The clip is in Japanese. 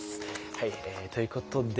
はいということでえ